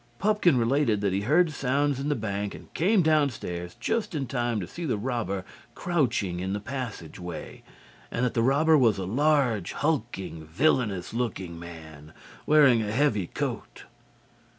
Pupkin related that he heard sounds in the bank and came downstairs just in time to see the robber crouching in the passage way, and that the robber was a large, hulking, villainous looking man, wearing a heavy coat.